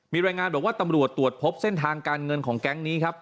มีรายงานบอกว่าตำรวจตรวจพบเส้นทางการเงินของแก๊งนี้ครับ